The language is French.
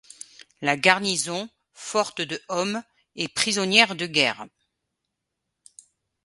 La garnison, forte de hommes est prisonnière de guerre.